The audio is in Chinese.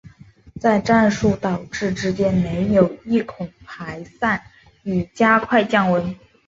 而在战术导轨之间设有一排散热孔以加快降温。